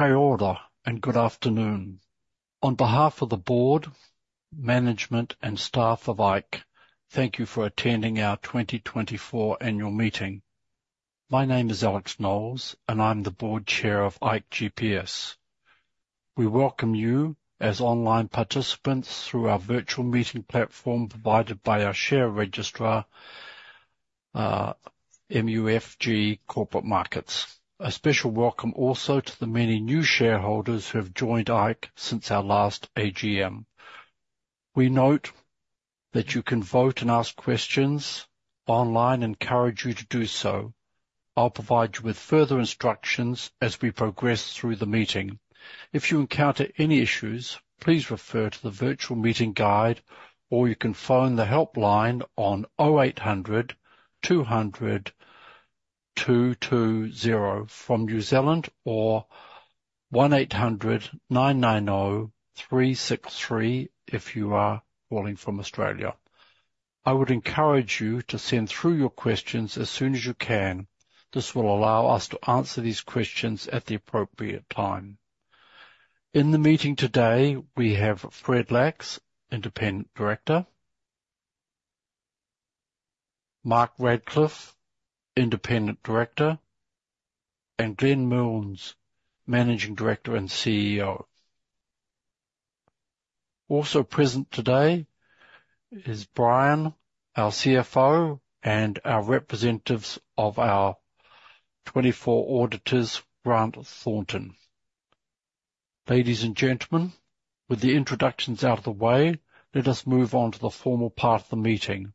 Kia ora, and good afternoon. On behalf of the board, management, and staff of ikeGPS, thank you for attending our twenty twenty-four annual meeting. My name is Alex Knowles, and I'm the Board Chair of ikeGPS. We welcome you as online participants through our virtual meeting platform provided by our share registrar, MUFG Corporate Markets. A special welcome also to the many new shareholders who have joined ikeGPS since our last AGM. We note that you can vote and ask questions online and encourage you to do so. I'll provide you with further instructions as we progress through the meeting. If you encounter any issues, please refer to the virtual meeting guide, or you can phone the helpline on oh eight hundred two hundred two two zero from New Zealand, or one eight hundred nine nine oh three six three if you are calling from Australia. I would encourage you to send through your questions as soon as you can. This will allow us to answer these questions at the appropriate time. In the meeting today, we have Fred Lax, Independent Director; Mark Ratcliffe, Independent Director; and Glenn Milnes, Managing Director and CEO. Also present today is Brian, our CFO, and our representatives of our twenty-four auditors, Grant Thornton. Ladies and gentlemen, with the introductions out of the way, let us move on to the formal part of the meeting.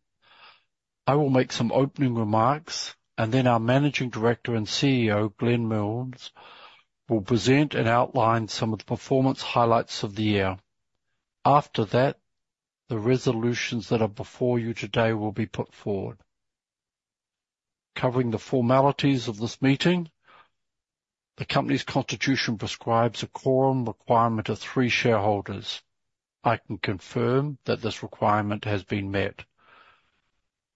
I will make some opening remarks, and then our Managing Director and CEO, Glenn Milnes, will present and outline some of the performance highlights of the year. After that, the resolutions that are before you today will be put forward. Covering the formalities of this meeting, the company's constitution prescribes a quorum requirement of three shareholders. I can confirm that this requirement has been met.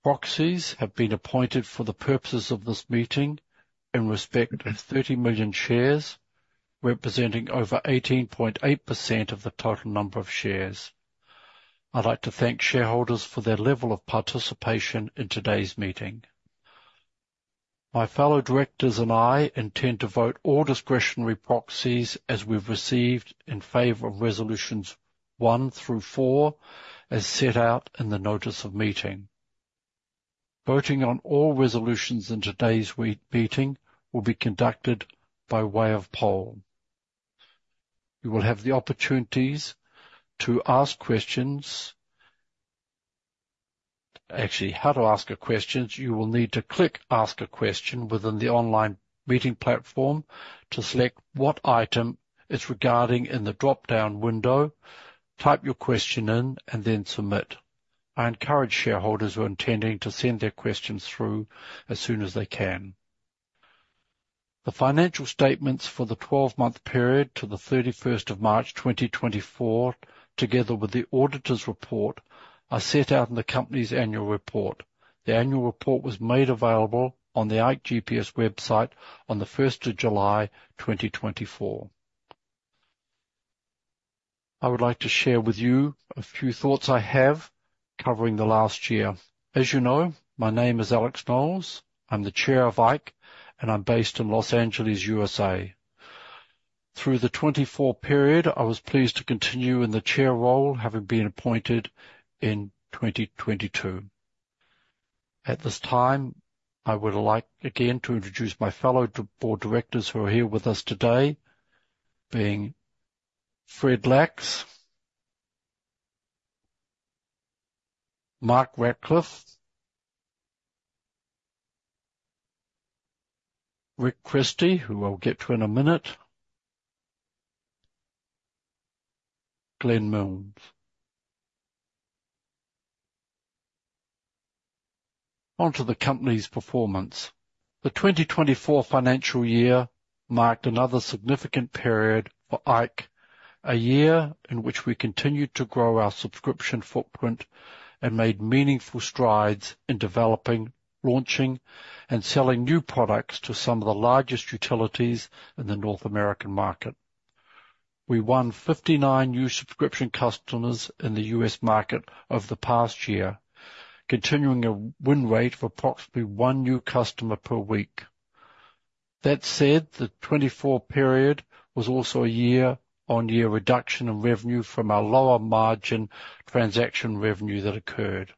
Proxies have been appointed for the purposes of this meeting in respect of 30 million shares, representing over 18.8% of the total number of shares. I'd like to thank shareholders for their level of participation in today's meeting. My fellow directors and I intend to vote all discretionary proxies as we've received in favor of resolutions one through four, as set out in the notice of meeting. Voting on all resolutions in today's meeting will be conducted by way of poll. You will have the opportunities to ask questions. Actually, how to ask a question, you will need to click Ask a Question within the online meeting platform to select what item it's regarding in the dropdown window, type your question in, and then submit. I encourage shareholders who are intending to send their questions through as soon as they can. The financial statements for the twelve-month period to the thirty-first of March, twenty twenty-four, together with the auditor's report, are set out in the company's annual report. The annual report was made available on the ikeGPS website on the first of July, twenty twenty-four. I would like to share with you a few thoughts I have covering the last year. As you know, my name is Alex Knowles. I'm the chair of ikeGPS, and I'm based in Los Angeles, USA. Through the twenty-four period, I was pleased to continue in the chair role, having been appointed in twenty twenty-two. At this time, I would like again to introduce my fellow board directors who are here with us today, being Fred Lax, Mark Ratcliffe, Rick Christie, who I'll get to in a minute, Glenn Milnes. Onto the company's performance. The 2024 financial year marked another significant period for ikeGPS, a year in which we continued to grow our subscription footprint and made meaningful strides in developing, launching, and selling new products to some of the largest utilities in the North American market. We won 59 new subscription customers in the US market over the past year, continuing a win rate of approximately one new customer per week. That said, the 2024 period was also a year-on-year reduction in revenue from a lower margin transaction revenue that occurred.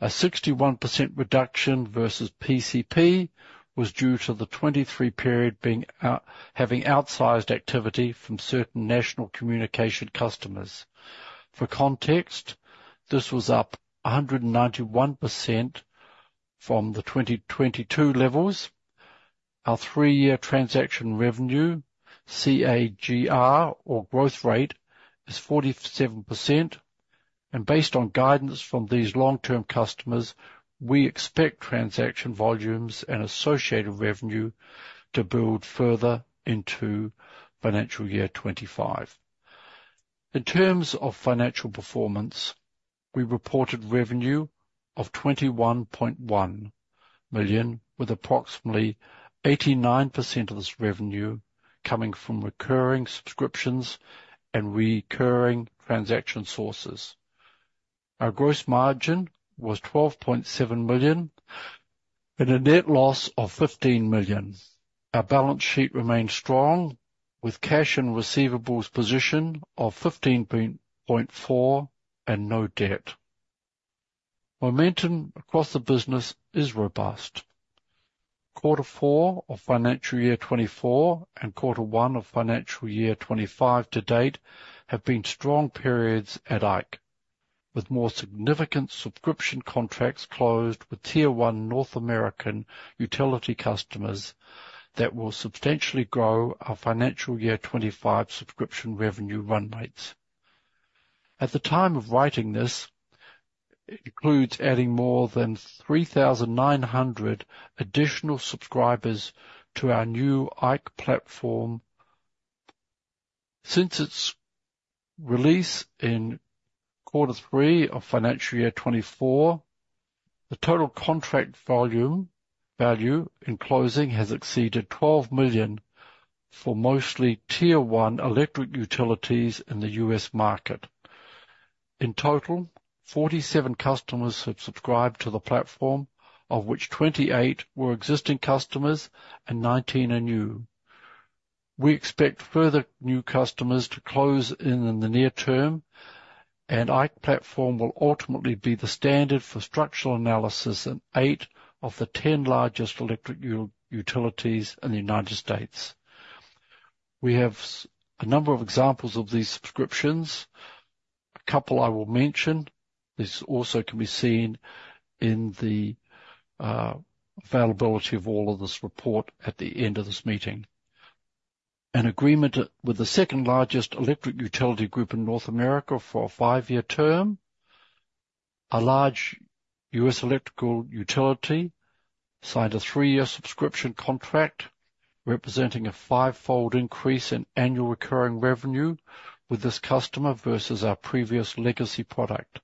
A 61% reduction versus PCP was due to the 2023 period being out, having outsized activity from certain national communication customers. For context, this was up 191% from the 2022 levels. Our three-year transaction revenue CAGR or growth rate is 47%, and based on guidance from these long-term customers, we expect transaction volumes and associated revenue to build further into financial year twenty-five. In terms of financial performance, we reported revenue of 21.1 million, with approximately 89% of this revenue coming from recurring subscriptions and recurring transaction sources. Our gross margin was 12.7 million and a net loss of 15 million. Our balance sheet remains strong, with cash and receivables position of 15.4 million and no debt. Momentum across the business is robust. Quarter four of financial year twenty-four and quarter one of financial year twenty-five to date have been strong periods at Ike, with more significant subscription contracts closed with Tier One North American utility customers that will substantially grow our financial year twenty-five subscription revenue run rates. At the time of writing this, it includes adding more than 3,900 additional subscribers to our new IKE Platform. Since its release in quarter three of financial year twenty-four, the total contract volume, value in closing has exceeded $12 million for mostly Tier One electric utilities in the U.S. market. In total, 47 customers have subscribed to the platform, of which 28 were existing customers and 19 are new. We expect further new customers to close in the near term, and IKE Platform will ultimately be the standard for structural analysis in 8 of the 10 largest electric utilities in the United States. We have a number of examples of these subscriptions. A couple I will mention. This also can be seen in the availability of all of this report at the end of this meeting. An agreement with the second-largest electric utility group in North America for a five-year term. A large US electrical utility signed a three-year subscription contract, representing a five-fold increase in annual recurring revenue with this customer versus our previous legacy product.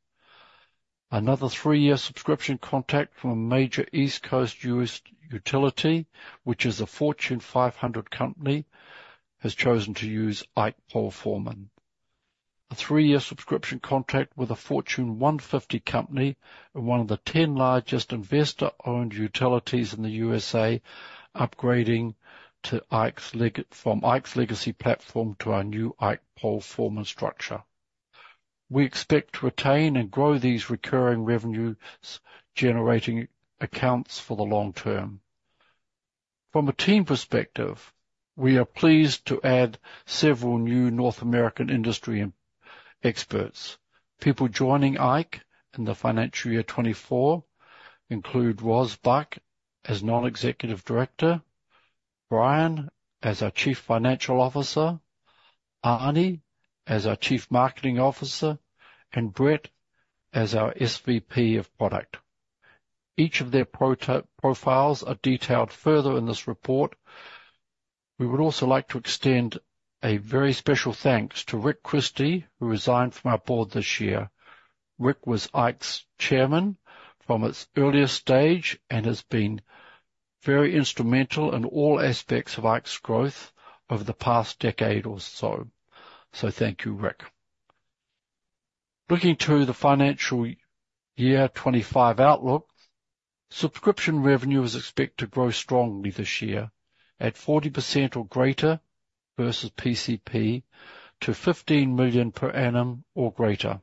Another three-year subscription contract from a major East Coast US utility, which is a Fortune 500 company, has chosen to use IKE PoleForeman. A three-year subscription contract with a Fortune 150 necompany and one of the ten largest investor-owned utilities in the USA, upgrading to IKE's from IKE's legacy platform to our new IKE PoleForeman structure. We expect to retain and grow these recurring revenues, generating accounts for the long term. From a team perspective, we are pleased to add several new North American industry experts. People joining Ike in the financial year 2024 include Roz Buick as Non-Executive Director, Brian as our Chief Financial Officer, Arnie as our Chief Marketing Officer, and Brett as our SVP of Product. Each of their professional profiles are detailed further in this report. We would also like to extend a very special thanks to Rick Christie, who resigned from our board this year. Rick was Ike's Chairman from its earliest stage and has been very instrumental in all aspects of Ike's growth over the past decade or so. So thank you, Rick. Looking to the financial year 2025 outlook, subscription revenue is expected to grow strongly this year at 40% or greater versus PCP to $15 million per annum or greater.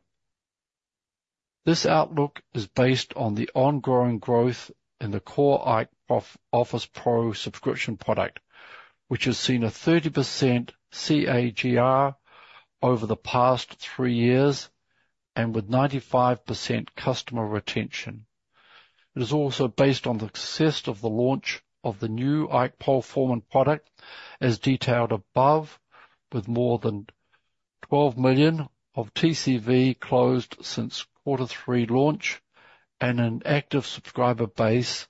This outlook is based on the ongoing growth in the core IKE Office Pro subscription product, which has seen a 30% CAGR over the past three years and with 95% customer retention. It is also based on the success of the launch of the new IKE PoleForeman product, as detailed above, with more than 12 million of TCV closed since quarter three launch and an active subscriber base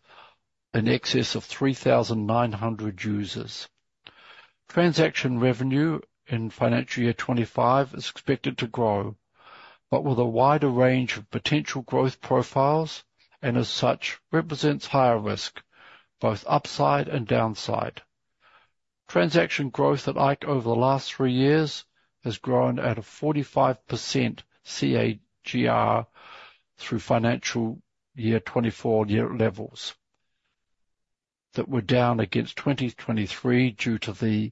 in excess of 3,900 users. Transaction revenue in financial year 2025 is expected to grow, but with a wider range of potential growth profiles, and as such, represents higher risk, both upside and downside. Transaction growth at IKE over the last three years has grown at a 45% CAGR through financial year 2024 year levels that were down against 2023 due to the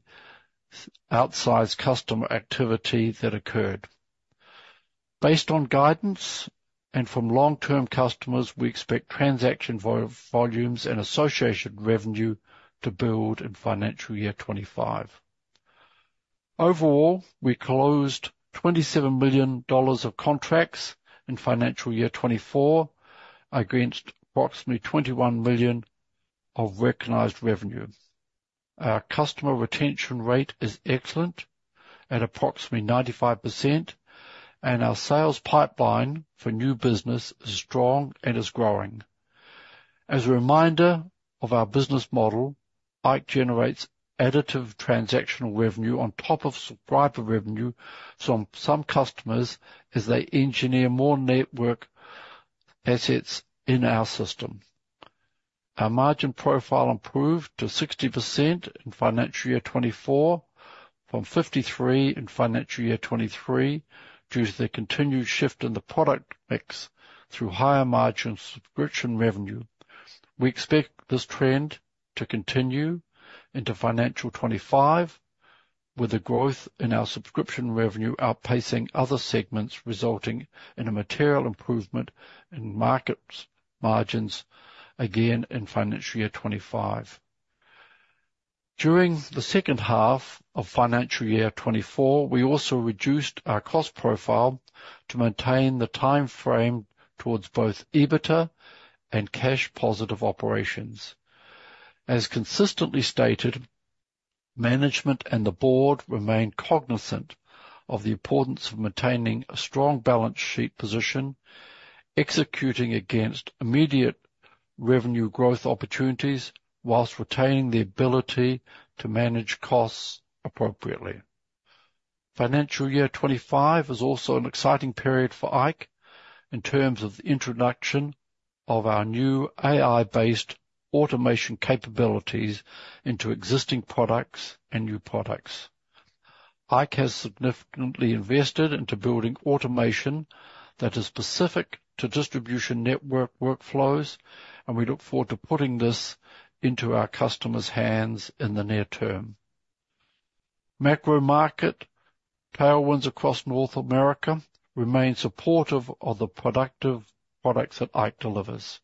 outsized customer activity that occurred. Based on guidance and from long-term customers, we expect transaction volumes and association revenue to build in financial year 2025. Overall, we closed $27 million of contracts in financial year 2024, against approximately $21 million of recognized revenue. Our customer retention rate is excellent at approximately 95%... and our sales pipeline for new business is strong and is growing. As a reminder of our business model, IKE generates additive transactional revenue on top of subscriber revenue from some customers as they engineer more network assets in our system. Our margin profile improved to 60% in financial year 2024, from 53% in financial year 2023, due to the continued shift in the product mix through higher margin subscription revenue. We expect this trend to continue into financial twenty-five, with the growth in our subscription revenue outpacing other segments, resulting in a material improvement in margins again in financial year twenty-five. During the second half of financial year twenty-four, we also reduced our cost profile to maintain the time frame towards both EBITDA and cash positive operations. As consistently stated, management and the board remain cognizant of the importance of maintaining a strong balance sheet position, executing against immediate revenue growth opportunities, whilst retaining the ability to manage costs appropriately. Financial year twenty-five is also an exciting period for IKE in terms of the introduction of our new AI-based automation capabilities into existing products and new products. IKE has significantly invested into building automation that is specific to distribution network workflows, and we look forward to putting this into our customers' hands in the near term. Macro market tailwinds across North America remain supportive of the productive products that Ike delivers,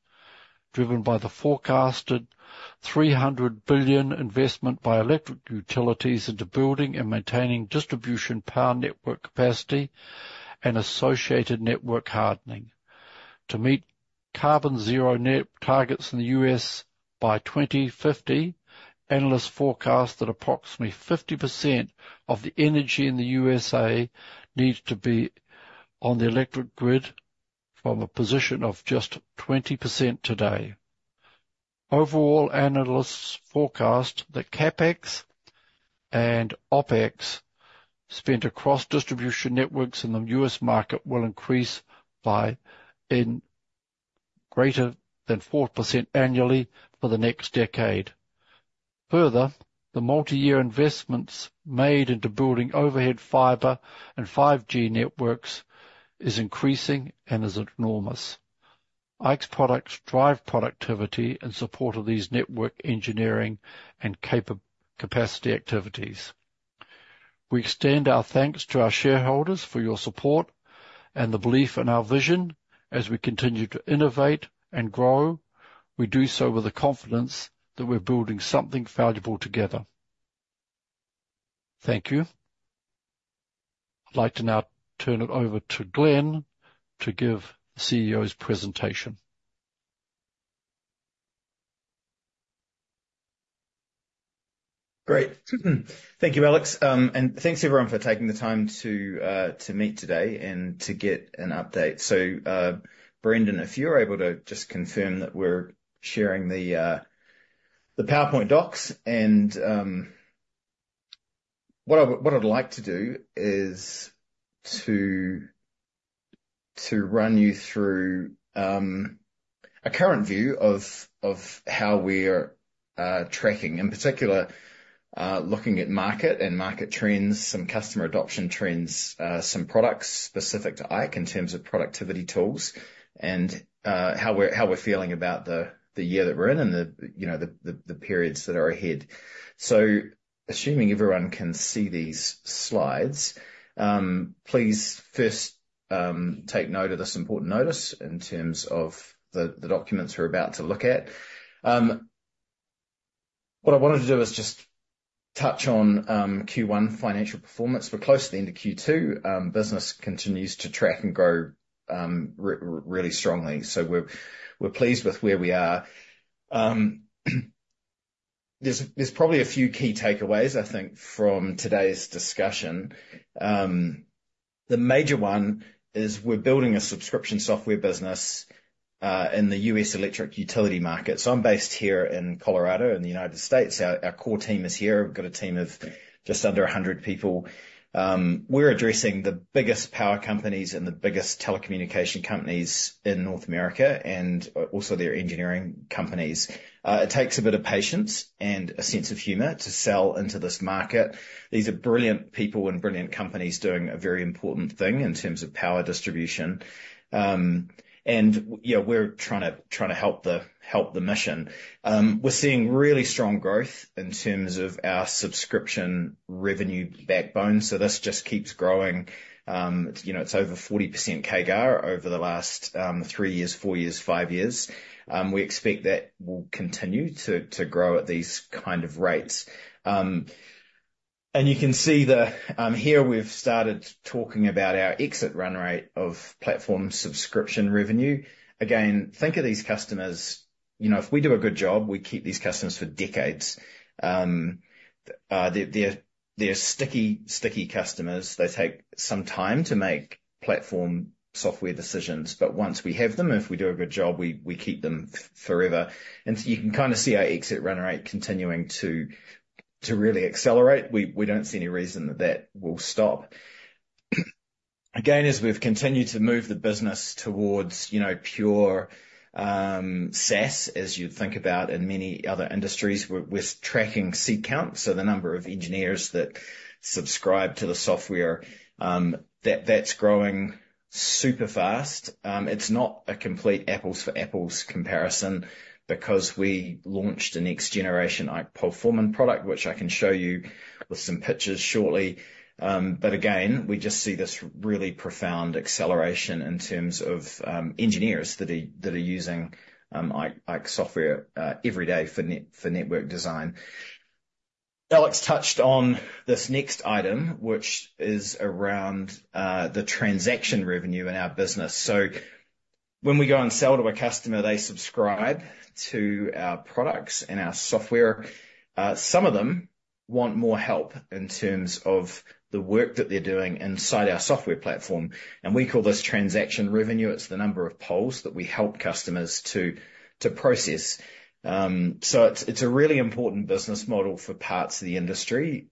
driven by the forecasted $300 billion investment by electric utilities into building and maintaining distribution power, network capacity, and associated network hardening. To meet carbon zero net targets in the U.S. by 2050, analysts forecast that approximately 50% of the energy in the USA needs to be on the electric grid from a position of just 20% today. Overall, analysts forecast that CapEx and OpEx spent across distribution networks in the U.S. market will increase by greater than 4% annually for the next decade. Further, the multi-year investments made into building overhead fiber and 5G networks is increasing and is enormous. Ike's products drive productivity in support of these network engineering and capacity activities. We extend our thanks to our shareholders for your support and the belief in our vision. As we continue to innovate and grow, we do so with the confidence that we're building something valuable together. Thank you. I'd like to now turn it over to Glenn to give the CEO's presentation. Great. Thank you, Alex, and thanks, everyone, for taking the time to meet today and to get an update. So, Brendan, if you're able to just confirm that we're sharing the PowerPoint docs. And, what I would, what I'd like to do is to run you through a current view of how we're tracking, in particular, looking at market and market trends, some customer adoption trends, some products specific to Ike in terms of productivity tools and how we're feeling about the year that we're in and the, you know, the periods that are ahead. So assuming everyone can see these slides, please first take note of this important notice in terms of the documents we're about to look at. What I wanted to do is just touch on Q1 financial performance. We're close to the end of Q2. Business continues to track and grow really strongly. So we're pleased with where we are. There's probably a few key takeaways, I think, from today's discussion. The major one is we're building a subscription software business in the U.S. electric utility market. So I'm based here in Colorado, in the United States. Our core team is here. We've got a team of just under 100 people. We're addressing the biggest power companies and the biggest telecommunication companies in North America and also their engineering companies. It takes a bit of patience and a sense of humor to sell into this market. These are brilliant people and brilliant companies doing a very important thing in terms of power distribution. You know, we're trying to help the mission. We're seeing really strong growth in terms of our subscription revenue backbone, so this just keeps growing. You know, it's over 40% CAGR over the last three years, four years, five years. We expect that will continue to grow at these kind of rates. You can see here we've started talking about our exit run rate of platform subscription revenue. Again, think of these customers. You know, if we do a good job, we keep these customers for decades. They're sticky customers. They take some time to make platform software decisions, but once we have them, and if we do a good job, we keep them forever. And you can kind of see our exit run rate continuing to really accelerate. We don't see any reason that will stop. Again, as we've continued to move the business towards, you know, pure SaaS, as you'd think about in many other industries, with tracking seat count, so the number of engineers that subscribe to the software, that's growing super fast. It's not a complete apples-for-apples comparison because we launched the next generation IKE PoleForeman product, which I can show you with some pictures shortly. But again, we just see this really profound acceleration in terms of engineers that are using IKE software every day for network design. Alex touched on this next item, which is around the transaction revenue in our business. So when we go and sell to a customer, they subscribe to our products and our software. Some of them want more help in terms of the work that they're doing inside our software platform, and we call this transaction revenue. It's the number of poles that we help customers to process. So it's a really important business model for parts of the industry.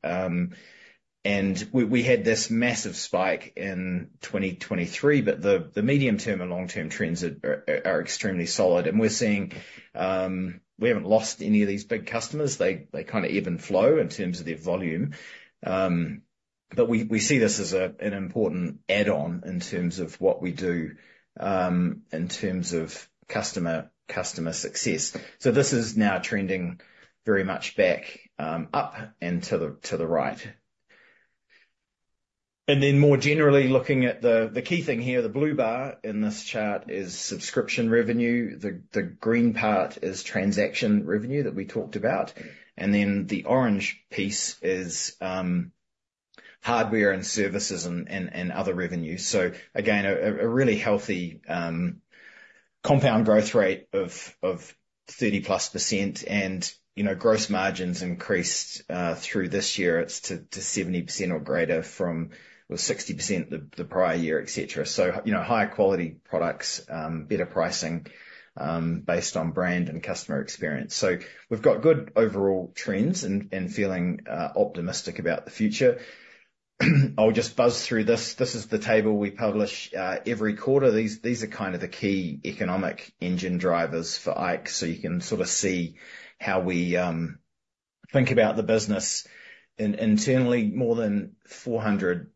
And we had this massive spike in 2023, but the medium-term and long-term trends are extremely solid, and we're seeing we haven't lost any of these big customers. They kinda even flow in terms of their volume. But we see this as an important add-on in terms of what we do, in terms of customer success. So this is now trending very much back up and to the right. And then more generally, looking at the key thing here, the blue bar in this chart is subscription revenue. The green part is transaction revenue that we talked about, and then the orange piece is hardware and services and other revenues. So again, a really healthy compound growth rate of 30%+. And, you know, gross margins increased through this year. It's to 70% or greater from, well, 60% the prior year, et cetera. So, you know, higher quality products, better pricing, based on brand and customer experience. We've got good overall trends and feeling optimistic about the future. I'll just buzz through this. This is the table we publish every quarter. These are kind of the key economic engine drivers for Ike, so you can sorta see how we think about the business. Internally, more than four hundred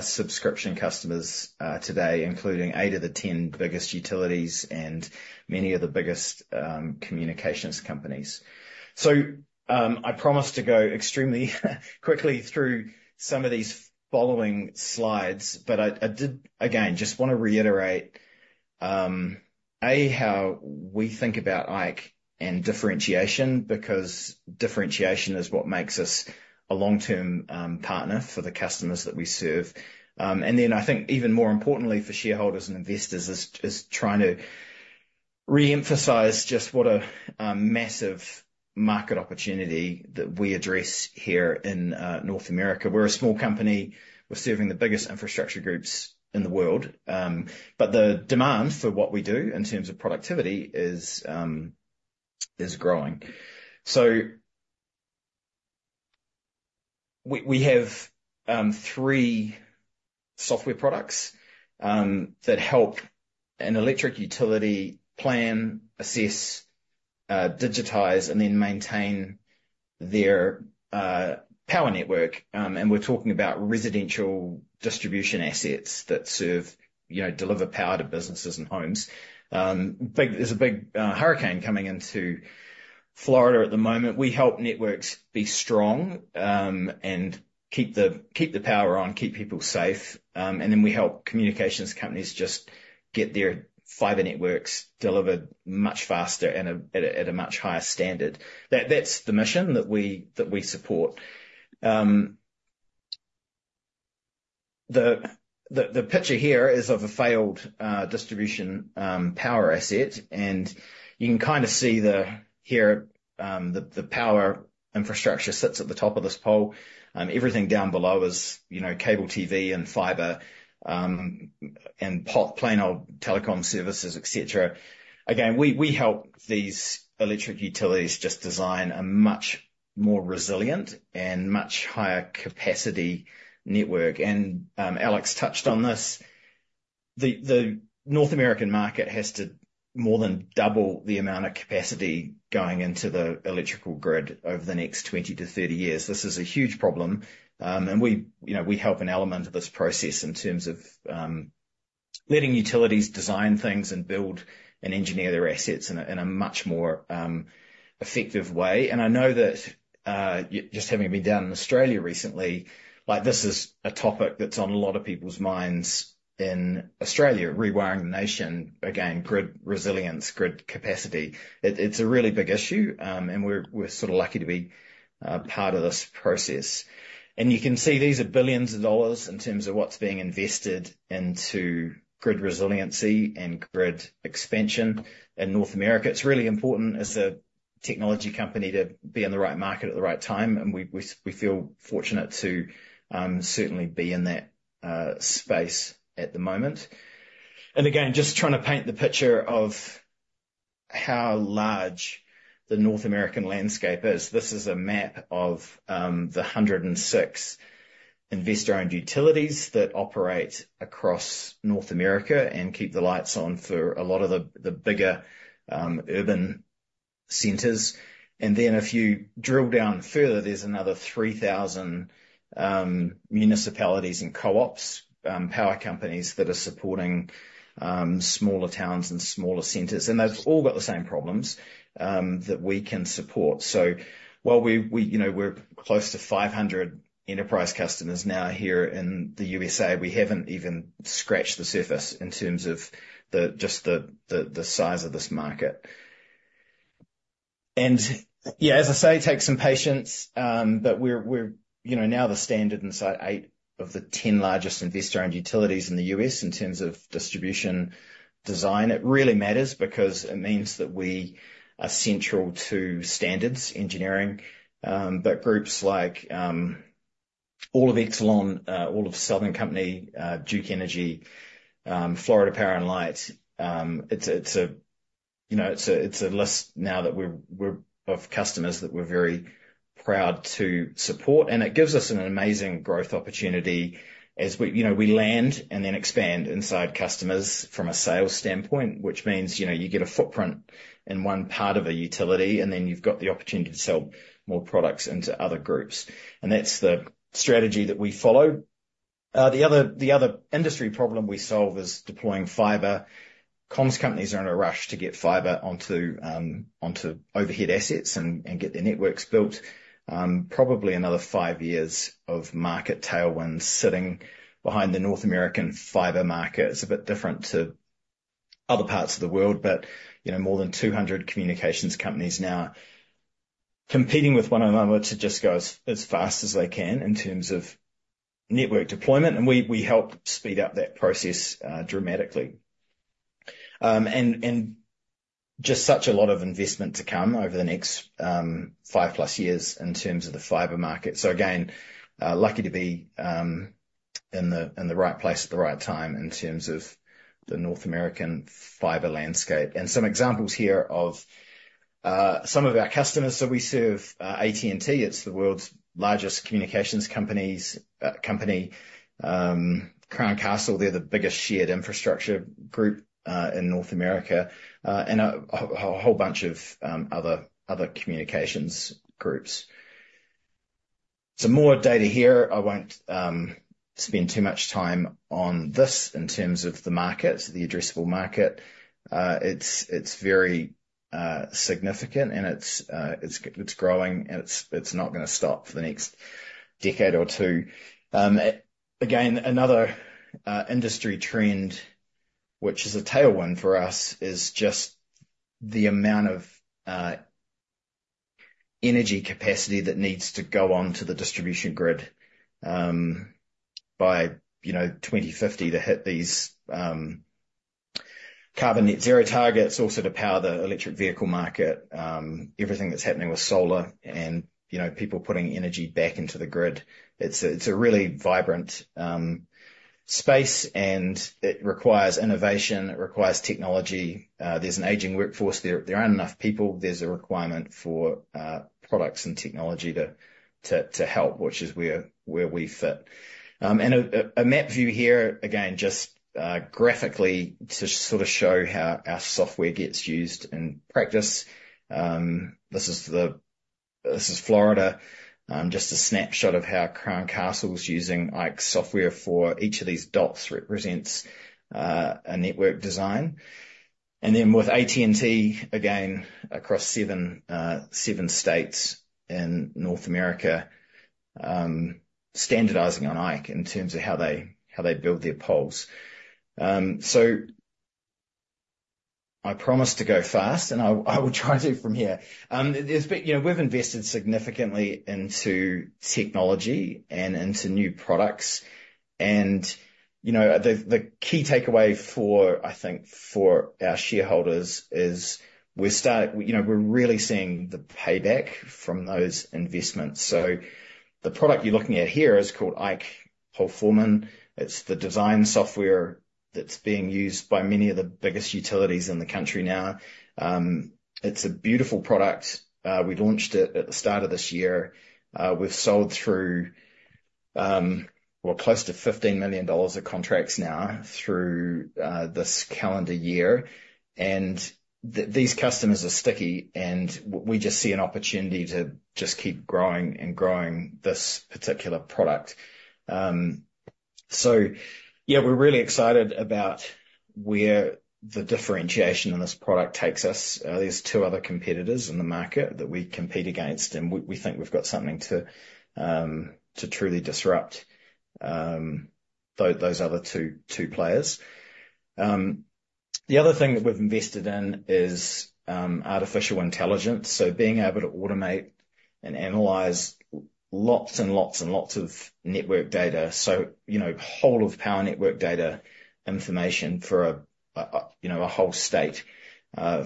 subscription customers today, including eight of the ten biggest utilities and many of the biggest communications companies. I promise to go extremely quickly through some of these following slides, but I did again, just wanna reiterate A, how we think about Ike and differentiation, because differentiation is what makes us a long-term partner for the customers that we serve. And then I think even more importantly for shareholders and investors is trying to reemphasize just what a massive market opportunity that we address here in North America. We're a small company. We're serving the biggest infrastructure groups in the world, but the demand for what we do in terms of productivity is growing. So we have three software products that help an electric utility plan, assess, digitize, and then maintain their power network, and we're talking about residential distribution assets that serve... You know, deliver power to businesses and homes. There's a big hurricane coming into Florida at the moment. We help networks be strong, and keep the power on, keep people safe, and then we help communications companies just get their fiber networks delivered much faster and at a much higher standard. That's the mission that we support. The picture here is of a failed distribution power asset, and you can kinda see the... Here, the power infrastructure sits at the top of this pole. Everything down below is, you know, cable TV and fiber, and pot, plain old telecom services, et cetera. Again, we help these electric utilities just design a much more resilient and much higher capacity network. And Alex touched on this. The North American market has to more than double the amount of capacity going into the electrical grid over the next 20-30 years. This is a huge problem, and we, you know, we help an element of this process in terms of letting utilities design things and build and engineer their assets in a much more effective way. And I know that just having been down in Australia recently, like, this is a topic that's on a lot of people's minds in Australia, rewiring the nation. Again, grid resilience, grid capacity, it's a really big issue, and we're, we're sorta lucky to be part of this process. And you can see these are billions of dollars in terms of what's being invested into grid resiliency and grid expansion in North America. It's really important as the-... technology company to be in the right market at the right time, and we feel fortunate to certainly be in that space at the moment. And again, just trying to paint the picture of how large the North American landscape is. This is a map of the hundred and six investor-owned utilities that operate across North America and keep the lights on for a lot of the bigger urban centers. And then if you drill down further, there's another three thousand municipalities and co-ops power companies that are supporting smaller towns and smaller centers, and they've all got the same problems that we can support. So while we, you know, we're close to 500 enterprise customers now here in the USA, we haven't even scratched the surface in terms of just the size of this market. And yeah, as I say, it takes some patience, but we're, you know, now the standard inside eight of the 10 largest investor-owned utilities in the US in terms of distribution design. It really matters because it means that we are central to standards engineering, but groups like all of Exelon, all of Southern Company, Duke Energy, Florida Power and Light. It's a list now that we're... Of customers that we're very proud to support, and it gives us an amazing growth opportunity as we, you know, we land and then expand inside customers from a sales standpoint, which means, you know, you get a footprint in one part of a utility, and then you've got the opportunity to sell more products into other groups. And that's the strategy that we follow. The other industry problem we solve is deploying fiber. Comms companies are in a rush to get fiber onto, onto overhead assets and get their networks built. Probably another five years of market tailwinds sitting behind the North American fiber market. It's a bit different to other parts of the world, but, you know, more than two hundred communications companies now competing with one another to just go as fast as they can in terms of network deployment, and we help speed up that process dramatically. And just such a lot of investment to come over the next five plus years in terms of the fiber market, so again, lucky to be in the right place at the right time in terms of the North American fiber landscape. And some examples here of some of our customers that we serve. AT&T, it's the world's largest communications company. Crown Castle, they're the biggest shared infrastructure group in North America, and a whole bunch of other communications groups. Some more data here. I won't spend too much time on this in terms of the market, the addressable market. It's very significant, and it's growing, and it's not gonna stop for the next decade or two. Again, another industry trend, which is a tailwind for us, is just the amount of energy capacity that needs to go onto the distribution grid, by, you know, twenty fifty, to hit these carbon net zero targets, also to power the electric vehicle market. Everything that's happening with solar and, you know, people putting energy back into the grid, it's a really vibrant space, and it requires innovation, it requires technology. There's an aging workforce there. There aren't enough people. There's a requirement for products and technology to help, which is where we fit. And a map view here, again, just graphically to sort of show how our software gets used in practice. This is the... This is Florida. Just a snapshot of how Crown Castle's using IKE software for each of these dots represents a network design. And then with AT&T, again, across seven states in North America, standardizing on IKE in terms of how they build their poles. So I promise to go fast, and I will try to from here. There's been... You know, we've invested significantly into technology and into new products, and, you know, the key takeaway for, I think, for our shareholders is, you know, we're really seeing the payback from those investments. So the product you're looking at here is called IKE PoleForeman. It's the design software that's being used by many of the biggest utilities in the country now. It's a beautiful product. We launched it at the start of this year. We've sold through, well, close to $15 million of contracts now through this calendar year, and these customers are sticky, and we just see an opportunity to just keep growing and growing this particular product, so yeah, we're really excited about where the differentiation in this product takes us. There's two other competitors in the market that we compete against, and we think we've got something to truly disrupt those other two players. The other thing that we've invested in is artificial intelligence, so being able to automate and analyze lots and lots and lots of network data. So, you know, whole of power network data information for a you know a whole state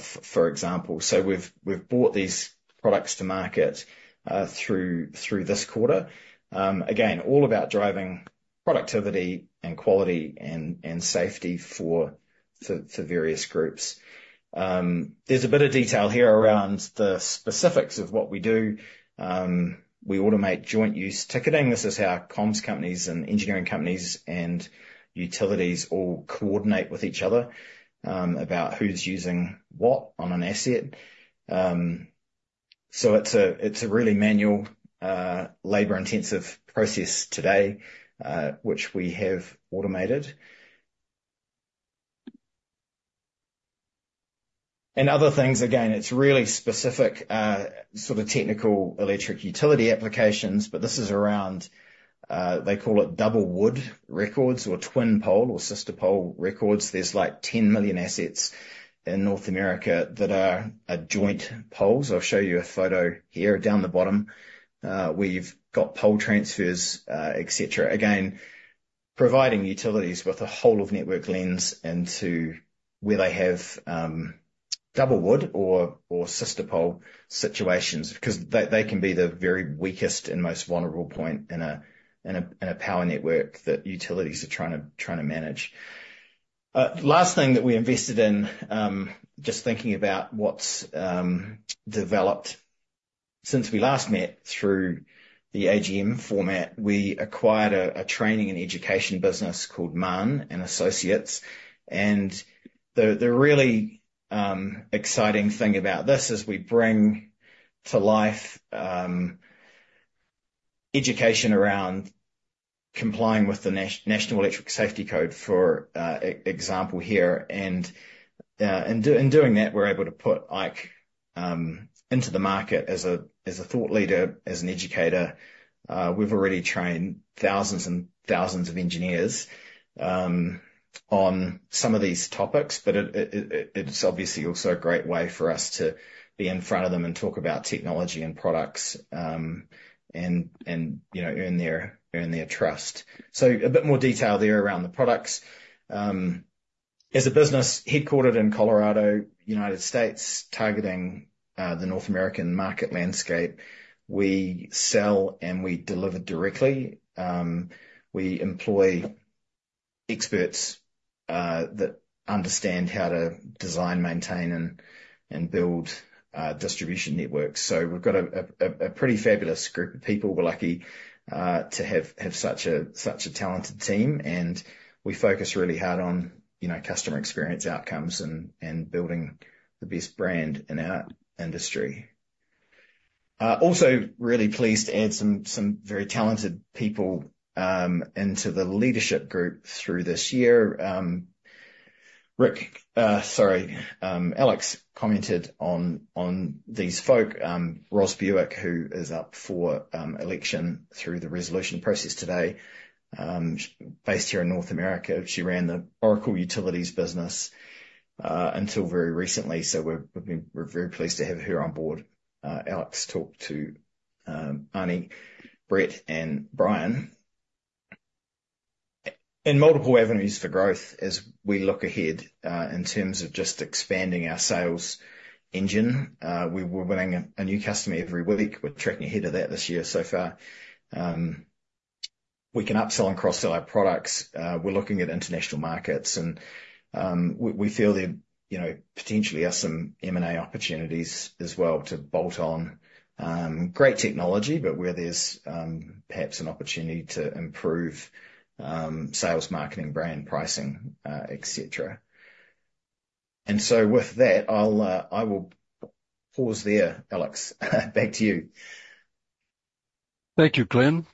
for example. So we've brought these products to market through this quarter. Again, all about driving productivity and quality and safety for various groups. There's a bit of detail here around the specifics of what we do. We automate joint use ticketing. This is how comms companies and engineering companies and utilities all coordinate with each other about who's using what on an asset. So it's a really manual labor-intensive process today which we have automated. And other things, again, it's really specific sort of technical, electric utility applications, but this is around they call it Double Wood records or twin pole or Sister Pole records. There's like 10 million assets in North America that are joint poles. I'll show you a photo here down the bottom, where you've got pole transfers, et cetera. Again, providing utilities with a whole of network lens into where they have double wood or sister pole situations, because they can be the very weakest and most vulnerable point in a power network that utilities are trying to manage. Last thing that we invested in, just thinking about what's developed since we last met through the AGM format. We acquired a training and education business called Marne & Associates. And the really exciting thing about this is we bring to life education around complying with the National Electrical Safety Code, for example here. And in doing that, we're able to put IKE into the market as a thought leader, as an educator. We've already trained thousands and thousands of engineers on some of these topics, but it's obviously also a great way for us to be in front of them and talk about technology and products, and you know, earn their trust. So a bit more detail there around the products. As a business headquartered in Colorado, United States, targeting the North American market landscape, we sell and we deliver directly. We employ experts that understand how to design, maintain, and build distribution networks. So we've got a pretty fabulous group of people. We're lucky to have such a talented team, and we focus really hard on, you know, customer experience outcomes and building the best brand in our industry. Also really pleased to add some very talented people into the leadership group through this year. Rick, sorry, Alex commented on these folk, Roz Buick, who is up for election through the resolution process today. Based here in North America. She ran the Oracle Utilities business until very recently, so we're very pleased to have her on board. Alex talked to Arnie, Brett and Brian. And multiple avenues for growth as we look ahead in terms of just expanding our sales engine. We were winning a new customer every week. We're tracking ahead of that this year so far. We can upsell and cross-sell our products. We're looking at international markets and, we feel there, you know, potentially are some M&A opportunities as well to bolt on, great technology, but where there's, perhaps an opportunity to improve, sales, marketing, brand, pricing, et cetera. And so with that, I'll pause there. Alex, back to you. Thank you, Glenn.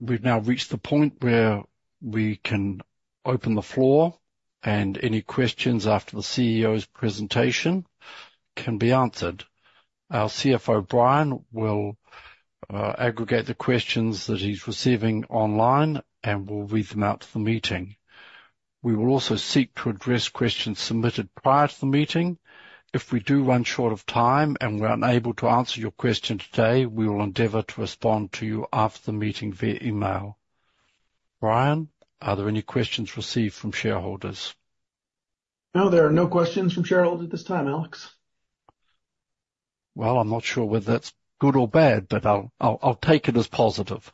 We've now reached the point where we can open the floor, and any questions after the CEO's presentation can be answered. Our CFO, Brian, will aggregate the questions that he's receiving online and will read them out to the meeting. We will also seek to address questions submitted prior to the meeting. If we do run short of time and we're unable to answer your question today, we will endeavor to respond to you after the meeting via email. Brian, are there any questions received from shareholders? No, there are no questions from shareholders at this time, Alex. Well, I'm not sure whether that's good or bad, but I'll take it as positive.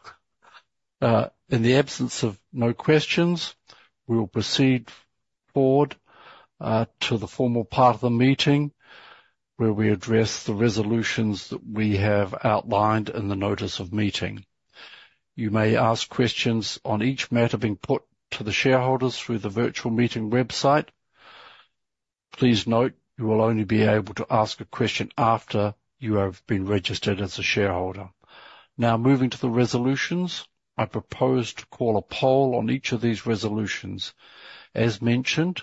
In the absence of no questions, we will proceed forward to the formal part of the meeting, where we address the resolutions that we have outlined in the notice of meeting. You may ask questions on each matter being put to the shareholders through the virtual meeting website. Please note, you will only be able to ask a question after you have been registered as a shareholder. Now, moving to the resolutions, I propose to call a poll on each of these resolutions. As mentioned,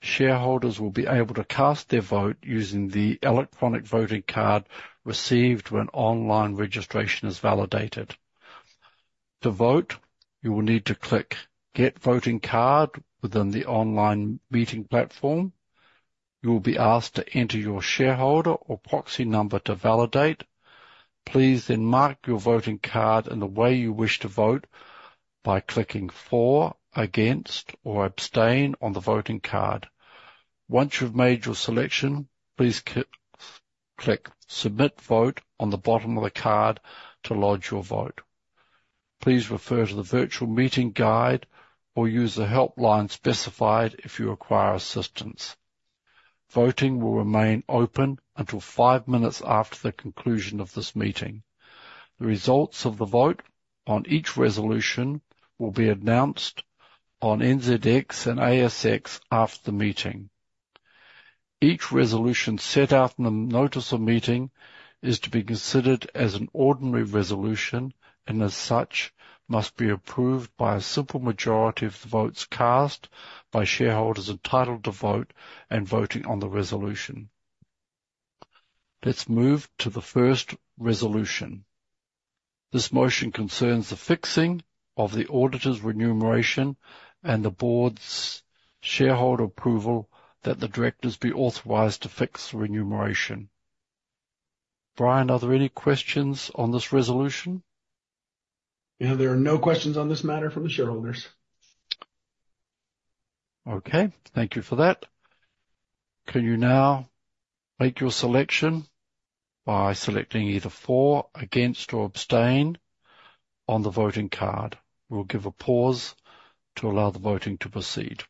shareholders will be able to cast their vote using the electronic voting card received when online registration is validated. To vote, you will need to click Get Voting Card within the online meeting platform. You will be asked to enter your shareholder or proxy number to validate. Please then mark your voting card in the way you wish to vote by clicking For, Against, or Abstain on the voting card. Once you've made your selection, please click Submit Vote on the bottom of the card to lodge your vote. Please refer to the virtual meeting guide or use the helpline specified if you require assistance. Voting will remain open until five minutes after the conclusion of this meeting. The results of the vote on each resolution will be announced on NZX and ASX after the meeting. Each resolution set out in the notice of meeting is to be considered as an ordinary resolution, and as such, must be approved by a simple majority of the votes cast by shareholders entitled to vote and voting on the resolution. Let's move to the first resolution. This motion concerns the fixing of the auditor's remuneration and the board's shareholder approval that the directors be authorized to fix the remuneration. Brian, are there any questions on this resolution? Yeah, there are no questions on this matter from the shareholders. Okay, thank you for that. Can you now make your selection by selecting either For, Against, or Abstain on the voting card? We'll give a pause to allow the voting to proceed.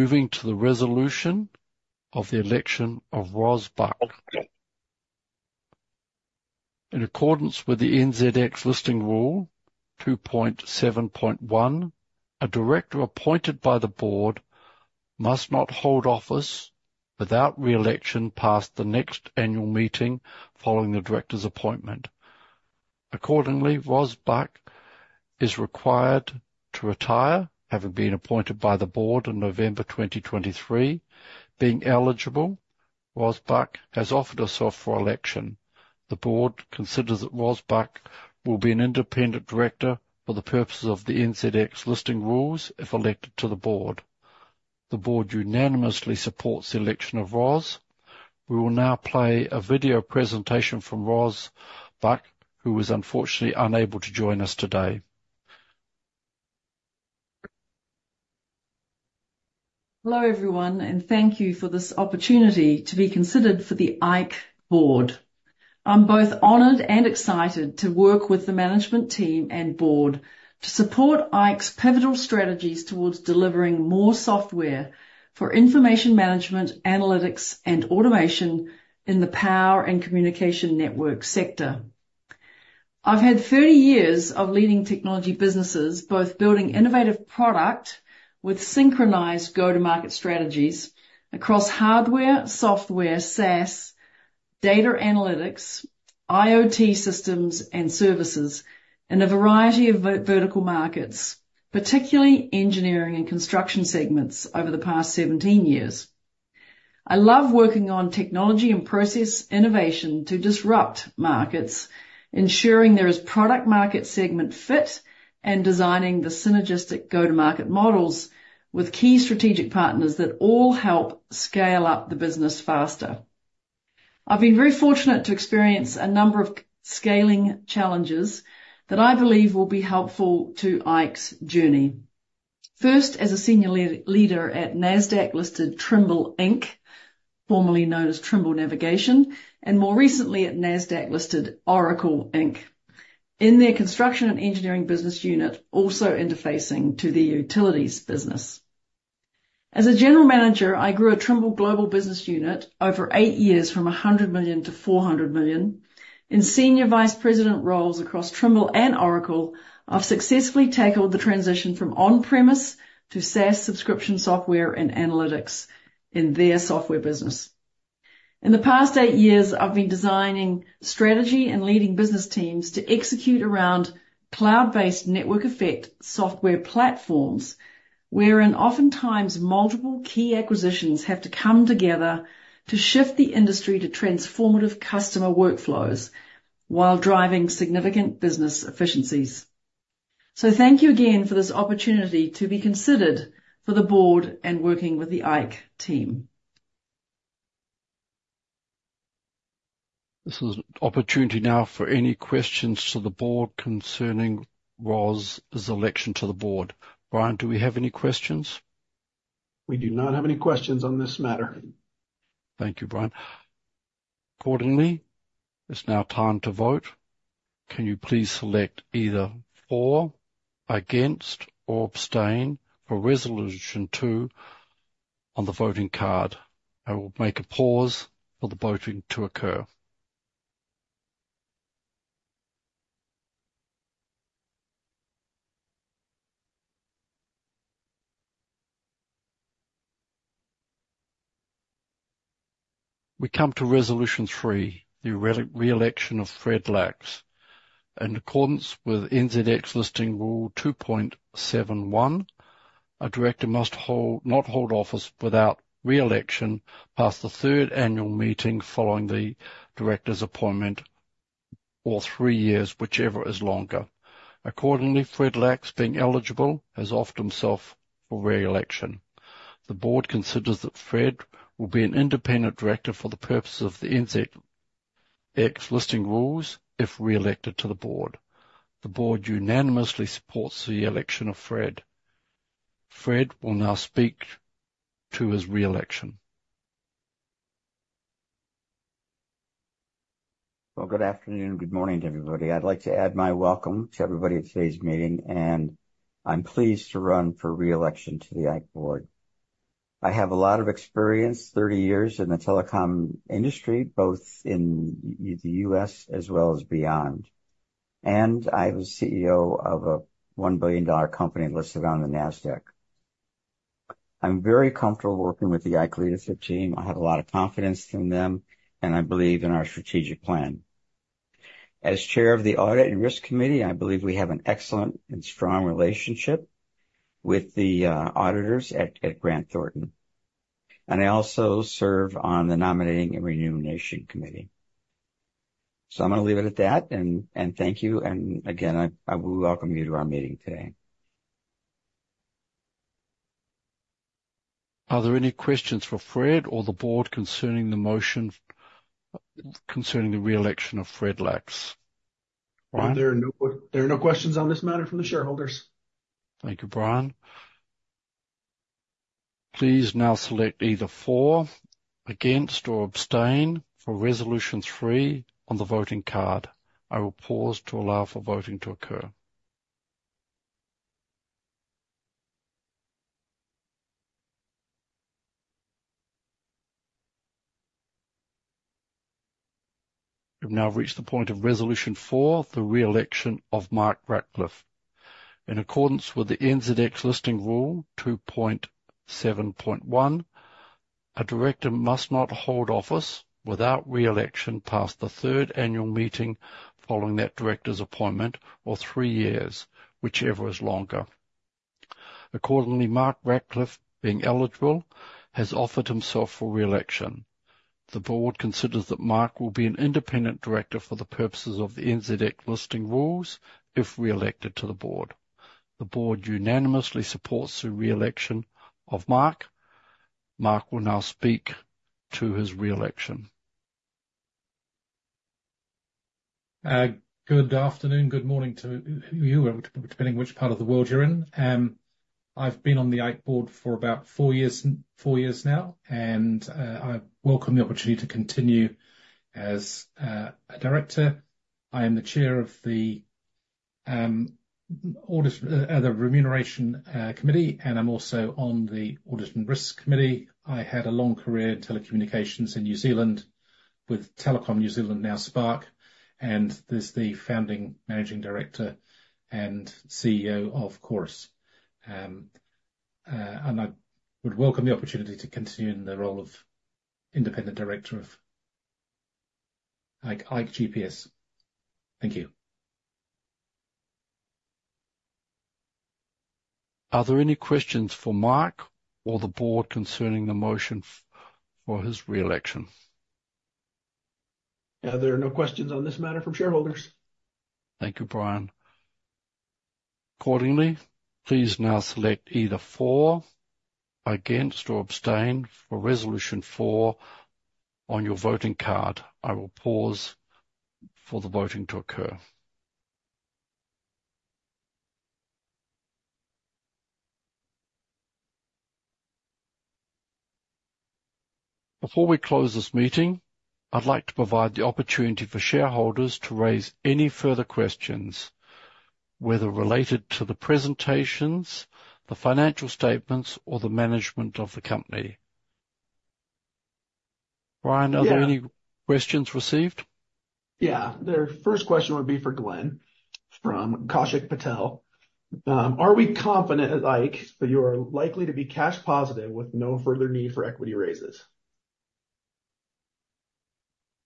Moving to the resolution of the election of Roz Buick. In accordance with the NZX listing rule two point seven point one, a director appointed by the board must not hold office without re-election past the next annual meeting following the director's appointment. Accordingly, Roz Buick is required to retire, having been appointed by the board in November 2023. Being eligible, Roz Buick has offered herself for election. The board considers that Roz Buick will be an independent director for the purposes of the NZX listing rules if elected to the board. The board unanimously supports the election of Roz. We will now play a video presentation from Roz Buick, who was unfortunately unable to join us today. Hello, everyone, and thank you for this opportunity to be considered for the Ike board. I'm both honored and excited to work with the management team and board to support Ike's pivotal strategies towards delivering more software for information management, analytics, and automation in the power and communication network sector. I've had thirty years of leading technology businesses, both building innovative product with synchronized go-to-market strategies across hardware, software, SaaS, data analytics, IoT systems, and services in a variety of vertical markets, particularly engineering and construction segments over the past seventeen years. I love working on technology and process innovation to disrupt markets, ensuring there is product market segment fit, and designing the synergistic go-to-market models with key strategic partners that all help scale up the business faster. I've been very fortunate to experience a number of scaling challenges that I believe will be helpful to Ike's journey. First, as a senior leader at Nasdaq-listed Trimble Inc., formerly known as Trimble Navigation, and more recently at Nasdaq-listed Oracle Corporation. In their construction and engineering business unit, also interfacing to the utilities business. As a general manager, I grew a Trimble global business unit over eight years from $100 million to $400 million. In senior vice president roles across Trimble and Oracle, I've successfully tackled the transition from on-premise to SaaS subscription software and analytics in their software business. In the past eight years, I've been designing strategy and leading business teams to execute around cloud-based network effect software platforms, wherein oftentimes multiple key acquisitions have to come together to shift the industry to transformative customer workflows while driving significant business efficiencies. So thank you again for this opportunity to be considered for the board and working with the Ike team. This is opportunity now for any questions to the board concerning Roz's election to the board. Brian, do we have any questions? We do not have any questions on this matter. Thank you, Brian. Accordingly, it's now time to vote. Can you please select either For, Against, or Abstain for Resolution Two on the voting card? I will make a pause for the voting to occur.... We come to Resolution Three, the re-election of Fred Lax. In accordance with NZX Listing Rule 2.7.1, a director must not hold office without re-election past the third annual meeting following the director's appointment or three years, whichever is longer. Accordingly, Fred Lax, being eligible, has offered himself for re-election. The board considers that Fred will be an independent director for the purposes of the NZX Listing Rules if re-elected to the board. The board unanimously supports the election of Fred. Fred will now speak to his re-election. Good afternoon, good morning to everybody. I'd like to add my welcome to everybody at today's meeting, and I'm pleased to run for re-election to the Ike board. I have a lot of experience, thirty years in the telecom industry, both in the U.S. as well as beyond, and I was CEO of a one billion dollar company listed on the Nasdaq. I'm very comfortable working with the Ike leadership team. I have a lot of confidence in them, and I believe in our strategic plan. As Chair of the Audit and Risk Committee, I believe we have an excellent and strong relationship with the auditors at Grant Thornton, and I also serve on the Nominating and Remuneration Committee. So I'm gonna leave it at that, and thank you. Again, I will welcome you to our meeting today. Are there any questions for Fred or the board concerning the re-election of Fred Lax? Brian? There are no questions on this matter from the shareholders. Thank you, Brian. Please now select either for, against, or abstain for Resolution three on the voting card. I will pause to allow for voting to occur. We've now reached the point of Resolution four, the re-election of Mark Ratcliffe. In accordance with the NZX Listing Rule two point seven point one, a director must not hold office without re-election past the third annual meeting, following that director's appointment or three years, whichever is longer. Accordingly, Mark Ratcliffe, being eligible, has offered himself for re-election. The board considers that Mark will be an independent director for the purposes of the NZX Listing Rules if re-elected to the board. The board unanimously supports the re-election of Mark. Mark will now speak to his re-election. Good afternoon, good morning to you, depending on which part of the world you're in. I've been on the Ike board for about four years now, and I welcome the opportunity to continue as a director. I am the chair of the audit, the Remuneration Committee, and I'm also on the Audit and Risk Committee. I had a long career in telecommunications in New Zealand with Telecom New Zealand, now Spark, and there's the Founding Managing Director and CEO, of course, and I would welcome the opportunity to continue in the role of Independent Director of Ike, Ike GPS. Thank you. Are there any questions for Mark or the board concerning the motion for his re-election? There are no questions on this matter from shareholders. Thank you, Brian. Accordingly, please now select either for, against, or abstain for Resolution four on your voting card. I will pause for the voting to occur. Before we close this meeting, I'd like to provide the opportunity for shareholders to raise any further questions, whether related to the presentations, the financial statements, or the management of the company. Brian- Yeah. Are there any questions received? Yeah. The first question would be for Glenn, from Kaushik Patel. "Are we confident at Ike that you are likely to be cash positive with no further need for equity raises?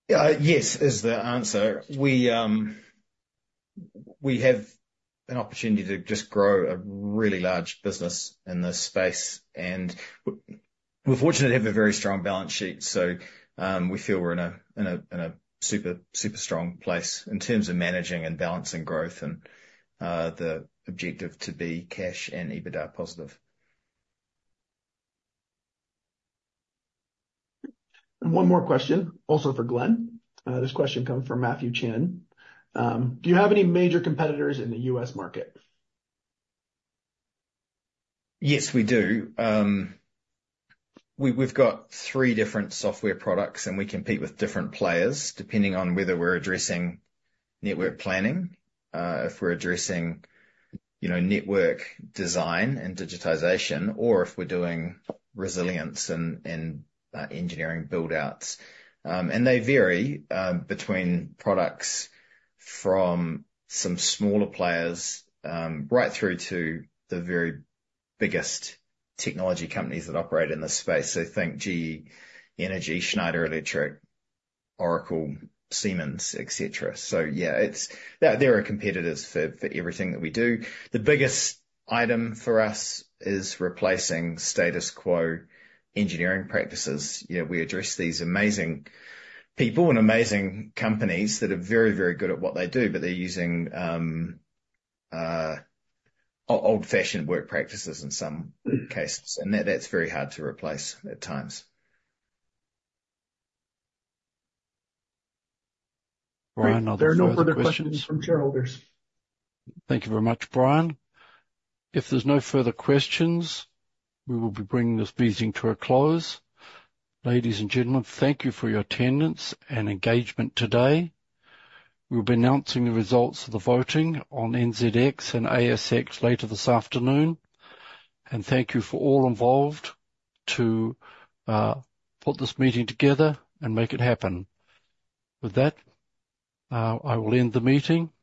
Yes, is the answer. We have an opportunity to just grow a really large business in this space, and we're fortunate to have a very strong balance sheet, so we feel we're in a super, super strong place in terms of managing and balancing growth and the objective to be cash and EBITDA positive. One more question, also for Glenn. This question comes from Matthew Chen: "Do you have any major competitors in the US market? Yes, we do. We've got three different software products, and we compete with different players, depending on whether we're addressing network planning, if we're addressing, you know, network design and digitization, or if we're doing resilience and engineering build-outs. And they vary between products from some smaller players right through to the very biggest technology companies that operate in this space. So think GE Energy, Schneider Electric, Oracle, Siemens, et cetera. So yeah, it's there are competitors for everything that we do. The biggest item for us is replacing status quo engineering practices. You know, we address these amazing people and amazing companies that are very, very good at what they do, but they're using old-fashioned work practices in some cases, and that's very hard to replace at times. Brian, are there any further questions? There are no further questions from shareholders. Thank you very much, Brian. If there's no further questions, we will be bringing this meeting to a close. Ladies and gentlemen, thank you for your attendance and engagement today. We'll be announcing the results of the voting on NZX and ASX later this afternoon, and thank you for all involved to put this meeting together and make it happen. With that, I will end the meeting.